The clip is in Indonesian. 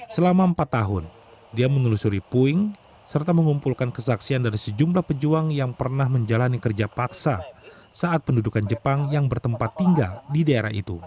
selama empat tahun dia menelusuri puing serta mengumpulkan kesaksian dari sejumlah pejuang yang pernah menjalani kerja paksa saat pendudukan jepang yang bertempat tinggal di daerah itu